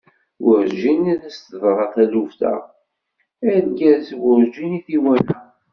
Werǧin i as-d-teḍra taluft-a, argaz-a werǧin i t-iwala!